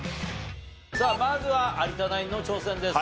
さあまずは有田ナインの挑戦です。